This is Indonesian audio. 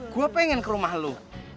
gue pengen ke rumah lo